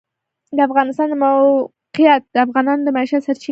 د افغانستان د موقعیت د افغانانو د معیشت سرچینه ده.